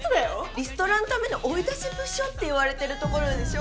リストラのための追い出し部署って言われてるところでしょ？